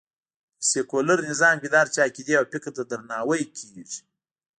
په سکیولر نظام کې د هر چا عقېدې او فکر ته درناوی کېږي